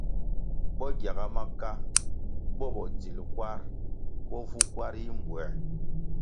Bo gyaga maka bo bodzil kwarʼ bo vu kwar yi mbwē.